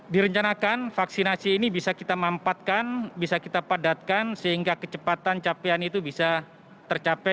direncanakan vaksinasi ini bisa kita mampatkan bisa kita padatkan sehingga kecepatan capaian itu bisa tercapai